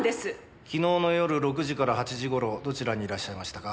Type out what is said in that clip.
昨日の夜６時から８時ごろどちらにいらっしゃいましたか？